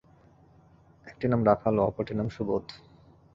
একটির নাম রাখাল ও অপরটির নাম সুবোধ।